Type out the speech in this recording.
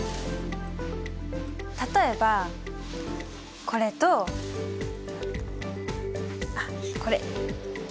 例えばこれとあっこれ。